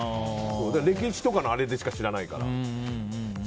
歴史とかでしか知らないからさ。